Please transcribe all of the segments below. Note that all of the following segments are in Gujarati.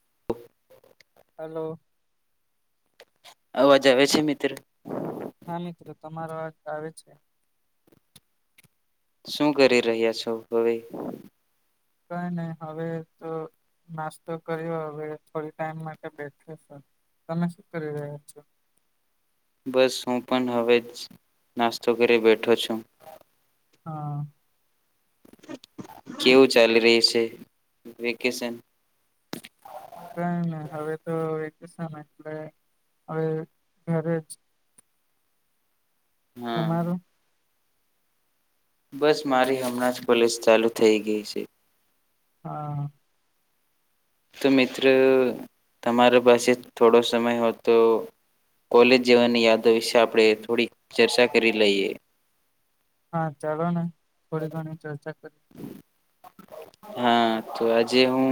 [inaudible] હલો. અવાજ આવે છે મિત્ર? હા! મિત્રો તમારો અવાજ આવે છે. શું કરી રહ્યા છો હવે? કઈ નહી. હવે તો નાસ્તો કર્યો, હવે થોડી ટાઈમ માટે બેઠો છે. તમે શું કરી રહ્યા છો? બસ હું પણ હવે જ નાસ્તો કરી બેઠો છું. હા! કેવું ચાલી રહી છે? વેકેશન. કઈ ના હવે તો એક [inaudible] એટલે હવે ઘરેજ હમ. બસ મારી હમણાં જ પોલીસ ચાલુ થઈ ગઈ છે. હા. તો મિત્ર તમારા પાસે થોડો સમય હોતો. કોલે જવાની યાદો વિશે આપણે થોડી ચર્ચા કરી લઈએ. હા ચાલો ને. થોડી ઘણી ચર્ચા કરી હા તો આજે હું.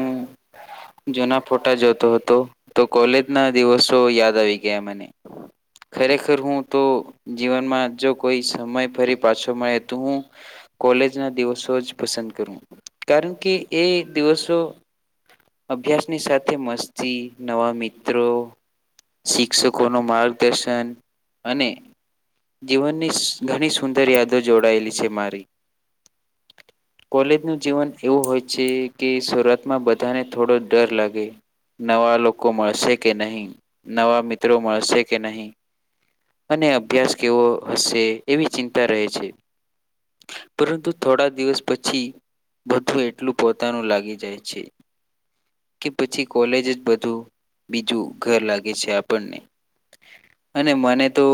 જુના ફોટા જોતો હતો તો કોલેજના દિવસો યાદ આવી ગયા મને. ખરેખર, હું તો જીવનમાં જો કોઈ સમય ફરી પાછો મળે તોું હું કોલેજ ના દિવસો જ પસંદ કરું કારણ કે એ દિવસો અભ્યાસની સાથે મસ્તી, નવા મિત્રો શિક્ષકોનો માર્ગદર્શન અને જીવનની સ-ઘણી સુંદર યાદો જોડાયેલી છે મારી. કોલેજનું જીવન એવું હોય છે કે શરૂઆતમાં બધાને થોડો ડર લાગે નવા લોકો મળશે કે નહી, નવા મિત્રો મળશે કે નહી. અને અભ્યાસ કેવો હશે એવી ચિંતા રહે છે. પરંતુ થોડા દિવસ પછી બધું એટલું પોતાનું લાગી જાય છે. કે પછી કોલેજ જ બધું બીજું ઘર લાગે છે આપણને અને મને તો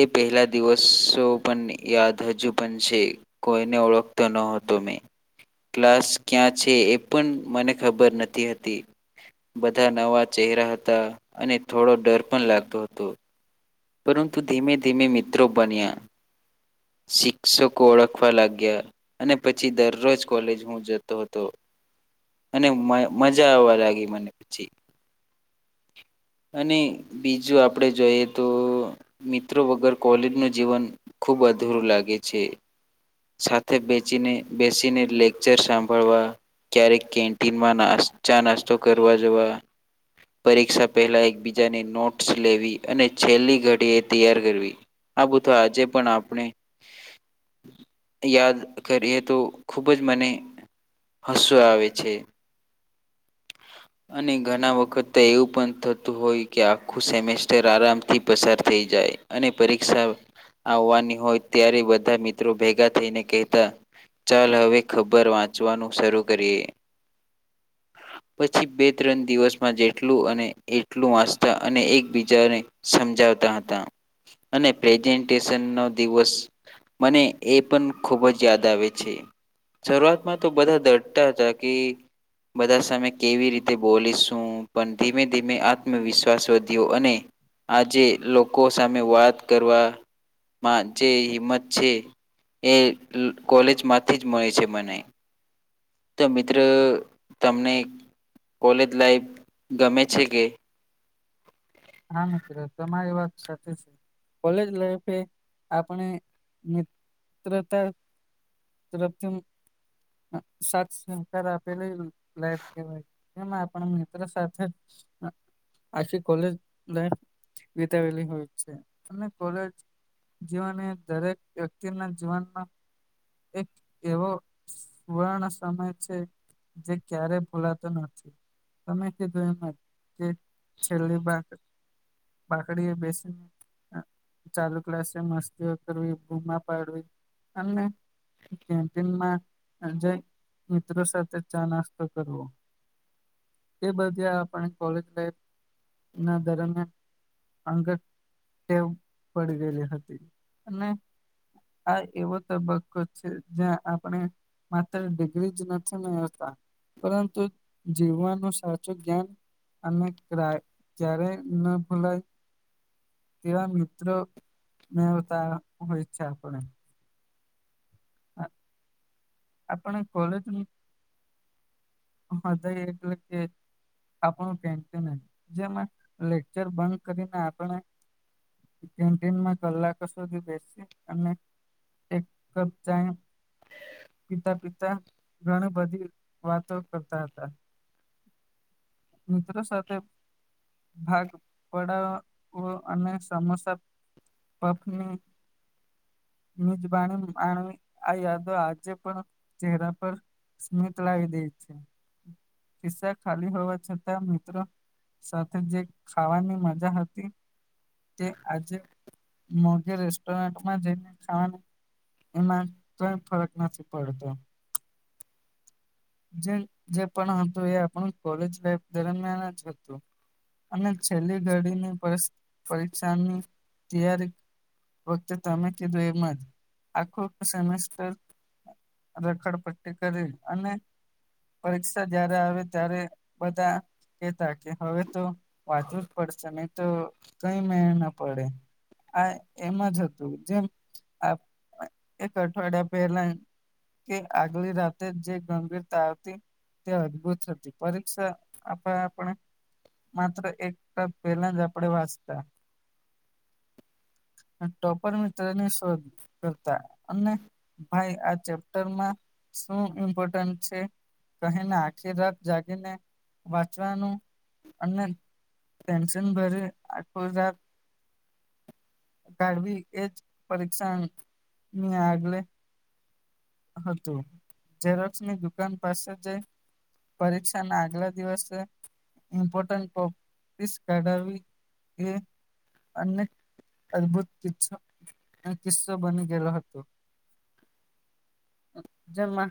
એ પહેલા દિવસો પણ યાદ હજુ પણ છે. કોઈને ઓળખતો ન હતો મેં. ક્લાસ ક્યાં છે એ પણ મને ખબર નથી હતી. બધા નવા ચહેરા હતા અને થોડો ડર પણ લાગતો હતો. પરંતુ ધીમે ધીમે મિત્રો બન્યા. શિક્ષકો ઓળખવા લાગ્યા અને પછી દરરોજ કોલેજ હું જતો હતો. અને મય-મજા આવવા લાગી મને પછી અને બીજું આપડે જોઈએ તો મિત્રો વગર કોલેજનું જીવન ખૂબ અધૂરું લાગે છે. સાથે બેચીને બેસીને લેકચર સાંભળવા ક્યારેક કેન્ટીનમાં નાસ-ચા નાસ્તો કરવા જવા, પરીક્ષા પહેલા એકબીજાની નોટસ લેવી અને છેલ્લી ઘડીએ તૈયાર કરવી આ બુધુ આજે પણ આપણે યાદ કરીએ તો ખુબ જ મને હસો આવે છે. [inaudible] અને ઘણા વખત તો એવું પણ થતું હોય કે આખું સેમેસ્ટર આરામથી પસાર થઈ જાય. એ અને પરીક્ષા આવવાની હોય ત્યારે બધા મિત્રો ભેગા થઈને કહેતા ચાલ હવે ખબર વાંચવાનું શરૂ કરીએ પછી બે ત્રણ દિવસમાં જેટલું અને એટલું વાચતા અને એકબીજાને સમજા જતા હતા. અને પ્રેજેન્ટેશનનો દિવસ મને એ પણ ખુબ જ યાદ આવે છે. શરૂઆતમાં તો બધા દટતા હતા કી બધા સામે કેવી રીતે બોલીશું, પણ ધીમે ધીમે આત્મવિશ્વાસ વધ્યો અને આજે લોકો સામે વાત કરવા મા જે હિંમત છે એ લો-કોલેજમાંથી જ મળે છે મને. તો મિત્ર તમને કોલેજ લાઈફ ગમે છે કે હા મિત્ર તમારી વાત સાચી છે. કોલેજ લાઈફ એ આપણે મિત્રતા [inaudible] સાથ સહકાર આપેલી લાઈફ કેવાય એમાં આપણે મિત્ર સાથે આખી કોલેજ લાઈફ વિતાવેલી હોય છે અને કોલેજ જીવન એ દરેક વ્યક્તિના જીવનમાં એક એવો સુવર્ણ સમય છે. જે ક્યારેય ભૂલાતો નથી તમે કીધું એમાં કે છેલ્લી બાત બાકડીએ બેસીને ચાલુ ક્લાસે મસ્તીઓ કરવી ગૂમા પાડવી અને કેન્ટીનમાં જય મિત્રો સાથે ચા નાસ્તો કરવો એ બધા આપણે કોલેજ લાઈફ ના દરમિયાન અંગત ટેવ પડી ગયેલી હતી અને હા એવો તબકોકો જ્યાં આપણે માત્ર ડિગ્રી જ નથી મેળવતા પરંતુ જીવવાનું સાચું જ્ઞાન અને ક્રા ક્યારે ન ભૂલાય તેવા મિત્રો મેવતા હોય છે આપણે હા આપણે કોલેજ હા તો એકલે કે આપણું કેન્ટીન જેમાં લેકચર બંધ કરીને આપણે કેન્ટીનમાં કલાકો સુધી બેસીએ અને એક કપ ચાય પિતા પિતા ઘણી બધી વાતો કરતા હતા મિત્રો સાથે ભાગ પડાવો અને સમોસા પફની નિજબાણી માણવી આ યાદો આજે પણ ચેહરા પર સ્મિત લાવી દે છે ખિસ્સા ખાલી હોવા છતાં મિત્રો સાથે જે, ખાવાની મજા હતી તે આજે મોઘે રેસ્ટોરન્ટમાં જઈને, ખાવાનું એમાં કઈ ફરક નથી, પડતો જે જે પણ હતું એ આપણું કોલેજ લાઈફ દરમિયાન જ હતું અને છેલ્લી ઘડીની પર પરીક્ષાની તૈયારી વક્તે તમે કીધું એમ જ આખું સેમેસ્ટર રખડપટ્ટી કરી અને પરીક્ષા જારે આવે ત્યારે બધા કેતા કે હવે તો વાંચવું જ પડશે નહી તો કઈ મેળ ના પડે આ એમાં જ હતું જેમ આ એક અઠવાડિયા પહેલા કે આગલી રાતે જે ગંભીરતા આવતી તે અદભુત હતી પરીક્ષા આપ આપણે માત્ર એક [unintelligible] પહેલા જ આપણે વાંચતા ટોપર મિત્રની શોધ કરતા અને ભાઈ આ ચેપ્ટરમાં શું ઇમ્પોર્ટન્ટ છે. કહીને, આખી રાત જાગીને વાંચવાનું અને ટેન્શન ભરી અટવુંજા કાઢવી, એ જ પરીક્ષા ની આગલે હતુ, ઝેરોક્ષની દુકાન પાસે જાય પરીક્ષા ના, આગલા દિવસ ઇમ્પોર્ટન્ટ કોપ્ટિસ કાઢી એ અને અદભુત કિસ્સો, કિસ્સો બની ગયેલો હતો. જમા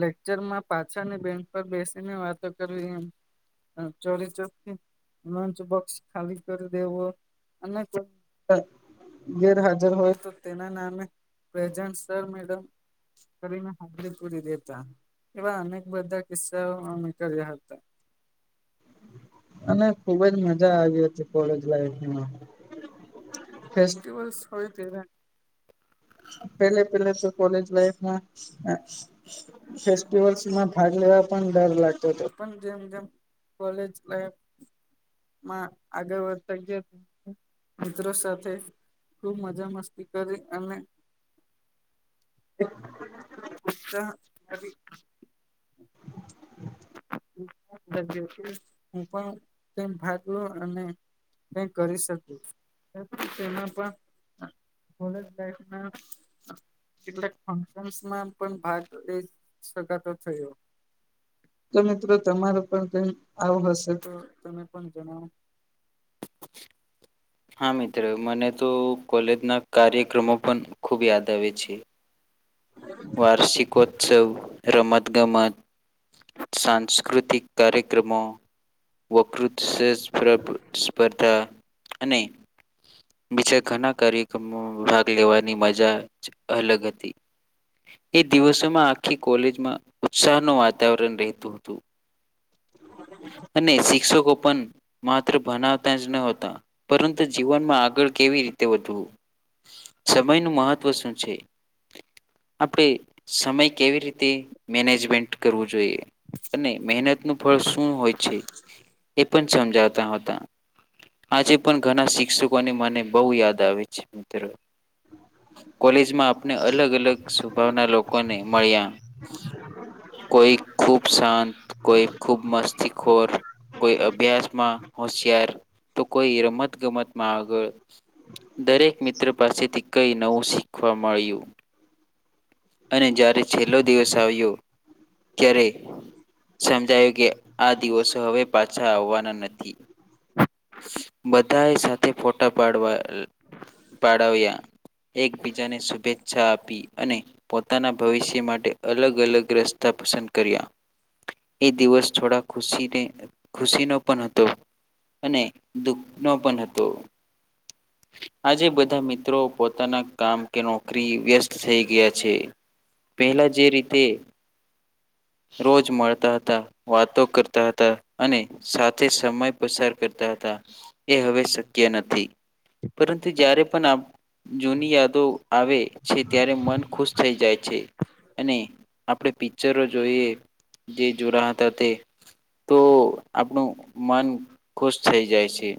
લેકચરમાં પાછાની, બેંચ પર બેસીને વાતો કરવી એમ ચલી ચથી, લચ બક્સ ખાલી કરી દેવો અમ ગેરહાજર હોય, તો તેના નામે મેડ કરી મે હાજલીપુરી દેતા એવા અનેક બધા કિસ્સાઓ અમે કર્યા હતા. અને ખુબ જ મજા આવી હતી કોલેજ લાઈફમા ફેસ્ટિવસ હોય, તે પે પેલા તો કોલેજ લાઈફમા ફેસ દ વર્ષમાં ભાગ લેવા, પણ ડર લાગતો હતો પણ જેમ, જેમ કોલેજ લાઈફ મા આગળ વધતા ગયા, મિત્રો સાથે. ખુબ મજા મસ્તી, કરી અને [inaudible] હુ, પણ ભાગ લો અને નહી, કરી શકે તેના પણ ખોલેાય ના કેટલાક ફસમાં પણ ભારત એ સગાટો થયો તો મિત્રો તમારો પણ કઈ આવું હશે, તો તમે પણ જણાવો હા મિત્રો મને તો કોલેજ ના કાર્યક્રમો પણ ખુબ યાદ આવે છે. વાાર્ષિકોત્સવ રમત, ગમત સાંસ્કૃતિક કાર્યક્રમો વકૃત સ્પર્ધા સ્પર્ધા અને બીજા ઘણા કાર્યક્રમોમાં ભાગ લેવાની મજા જ અલગ હતી. એ દિવસોમાં આખી કોલેજમાં ઉત્સાહનું વાતાવરણ રહેતું હતું અને શિક્ષકો પણ માત્ર ભનાવતા જ નતા પરતુ, જીવનમા આગળ કેવી વધું સમય નુ મહત્વ શુ છે. આપણે સમય કેવી રીતે મેનેજમેન્ટ કરવુ જોઈએ અને મહેનત નુ ફળ શું હોય છે, એ પણ સમજાતા હતા આજે પણ ઘણા શિક્ષકોને મને બહુ યાદ આવે છે, મિત્રો કોલેજમા, આપને અલગ, અલગ સ્વભાવના લોકોને મળ્યા કોઈ ખૂબ શાંત કોઈ, ખૂબ મસ્તીખોર કોઈ અભ્યાસમાં હોશિયાર, તો કોઈ રમત ગમત મા આગળ દરેક મિત્ર પાસેથી કઈ નવુ શીખવા, મળ્યુ અને જ્યારે છેલ્લો, દિવસ આવ્યો ક્યારે સમજાયું કે આ દિવસો હવે, પાછા આવવાના નથી. બધાએ સાથે ફોટા પાડવા પાડાવ્યા. એકબીજાને શુભેચ્છા આપી અને પોતાના ભવિષ્ય માટે અલગ અલગ રસ્તા પસંદ કરયા એ દિવસ થોડાશ ખુશીનો પણ હતો. અને દુઃખનો પણ હતો. આજે બધા મિત્રો પોતાના કામ કે નોકરી વ્યસ્ત થઈ ગયા છે. પેલા જે રીતે રોજ મળતા હતા, વાતો કરતા હતા અને સાથે સમય પસાર કરતા હતા એ હવે શક્ય નથી. પરંતુ જ્યારે પણ આ જૂની યાદો આવે છે ત્યારે મન ખુશ થઈ જાય છે અને આપણે પિક્ચરો જોઈએ જે જોડા હતા તે તો આપણું મન ખુશ થઈ જાય છે.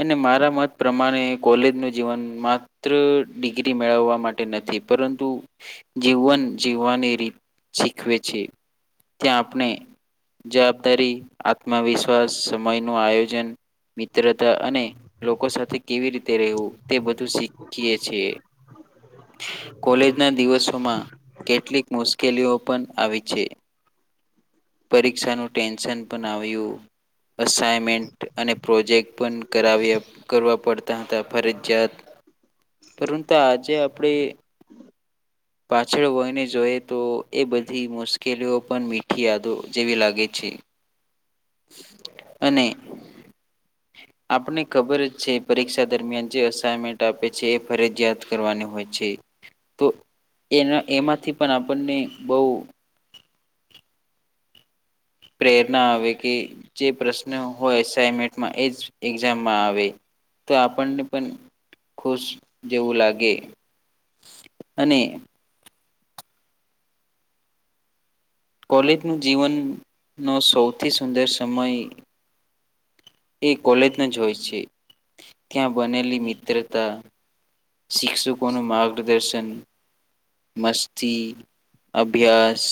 અને મારા મત પ્રમાણે કોલેજ નું જીવન માત્ર ડિગ્રી મેળવવા માટે નથી થી. પરંતુ જીવન જીવવાની શીખવે છે. ત્યાં આપણે જવાબદારી, આત્મવિશ્વાસ, સમય નું આયોજન, મિત્ર તા અને લોકો સાથે કેવી રીતે રહેવું તે બધું શીખીએ છીએ. કોલેજ ના દિવસોમાં કેટલીક મુશ્કેલીઓ પણ આવી છે. પરીક્ષાનું ટેન્શન પણ આવ્યું એસાઇમેન્ટ અને પ્રોજેક્ટ પણ કરાયવા કરવા પડતા હતા ફરજયાત. પરંતુ આજે આપણે [inaudible] પાછળ વયને જોઈએ તો એ બધી મુશ્કેલીઓ પણ મીઠી યાદો જેવી લાગે છે. અને આપને ખબર જ છે પરીક્ષા દરમિયાન જે અસાઇનમેન્ટ આપે છે એ ફરજયાત કરવાની હોય છે તો એના એમાંથી પણ આપણને બવુ [inaudible] પ્રેરણા આવે કે જે પ્રશ્ન હોય એસામેન્ટમાં એ જ એક્ઝામમાં આવે. તો આપણને પણ ખુશ જેવું લાગે. અને કોલેજ નું જીવનનો સૌથી સુંદર સમય એ કોલેજના જ હોય છે. ત્યાં બનેલી મિત્રતા શિક્ષકો નું માર્ગદર્ શન, મસ્તી, અભ્યાસ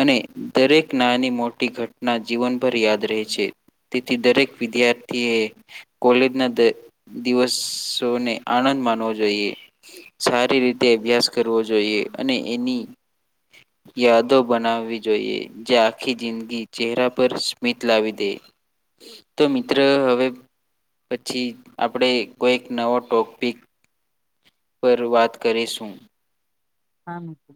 અને દરેક નાની મોટી ઘટના જીવનભર યાદ રહે છે. દરેક વિદ્યાર્થી એ કોલેજ ના દ દિવસોને આનંદ માનવો જોઇએ. સારી રીતે અભ્યાસ કરવો જોઈએ અને એની યાદો બનાવવી જોઈએ. જે આખી જિંદગી ચહેરા પર સ્મિત લાવી દે. તો મિત્ર હવે પછી આપણે કોઈક નવો ટોપિક પર વાત કરીશું. હા મિત્ર.